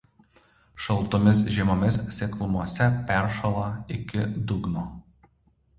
Šaltomis žiemomis seklumose peršąla iki dugno.